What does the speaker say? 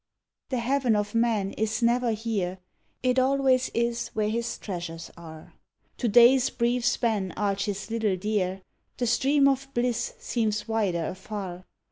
The heaven of man is never here; it always is where his treasures are. To day's brief span arches little dear; the stream of bliss seems wider afar.